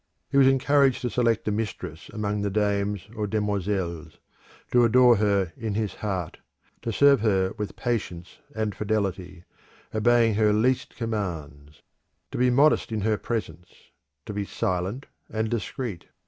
He was encouraged to select a mistress among the dames or demoiselles; to adore her in his heart, to serve her with patience and fidelity, obeying her least commands; to be modest in her presence; to be silent and discreet.